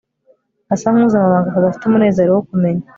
asa nkuzi amabanga tudafite umunezero wo kumenya